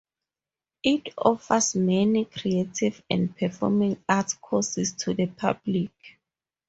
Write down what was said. It offers many creative and performing arts courses to the public.